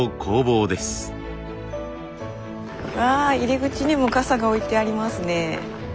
入り口にも傘が置いてありますね。